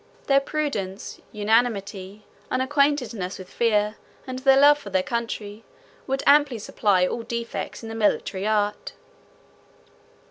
Their prudence, unanimity, unacquaintedness with fear, and their love of their country, would amply supply all defects in the military art.